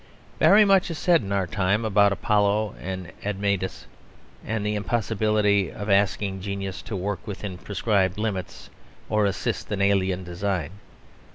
Very much is said in our time about Apollo and Admetus, and the impossibility of asking genius to work within prescribed limits or assist an alien design.